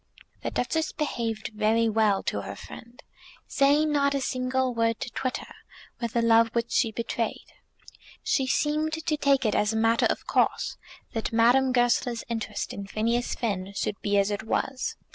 The Duchess behaved very well to her friend, saying not a single word to twit her with the love which she betrayed. She seemed to take it as a matter of course that Madame Goesler's interest in Phineas Finn should be as it was.